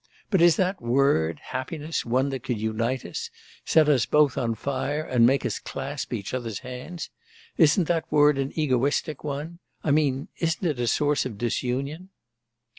But is that word, happiness, one that could unite us, set us both on fire, and make us clasp each other's hands? Isn't that word an egoistic one; I mean, isn't it a source of disunion?